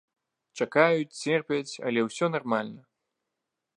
Чакаюць, церпяць, але ўсё нармальна.